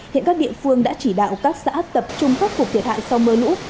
hiện các địa phương đã chỉ đạo các xã tập trung khắc phục thiệt hại sau mưa lũ